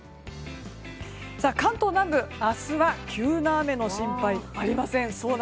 関東南部明日は急な雨の心配はありません。